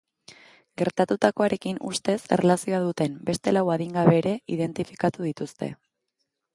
Gertatutakoarekin ustez erlazioa duten beste lau adingabe ere identifikatu dituzte.